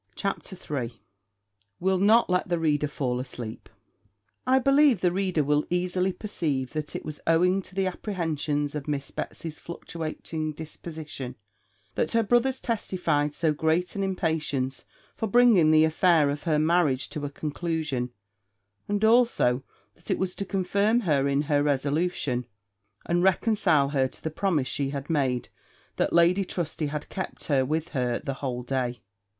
CHAPTER III Will not let the reader fall asleep I believe the reader will easily perceive, that it was owing to the apprehensions of Miss Betsy's fluctuating disposition, that her brothers testified so great an impatience for bringing the affair of her marriage to a conclusion; and also, that it was to confirm her in her resolution, and reconcile her to the promise she had made, that Lady Trusty had kept her with her that whole day.